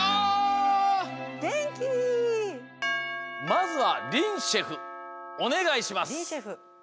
まずはりんシェフおねがいします。